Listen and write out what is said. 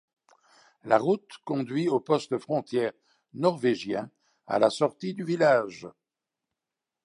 La route conduit au poste frontière norvégien à la sortie du village.